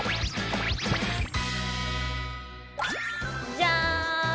じゃん！